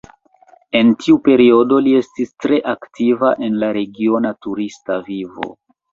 En tiu periodo li estis tre aktiva en la regiona turista vivo.